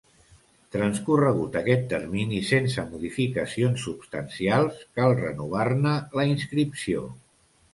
Transcorregut aquest termini sense modificacions substancials, cal renovar-ne la inscripció.